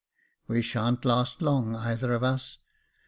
We sha'n't last long, either of us.